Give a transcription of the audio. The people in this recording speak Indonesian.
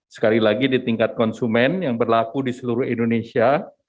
sekali lagi di tingkat konsumen yang berlaku di seluruh indonesia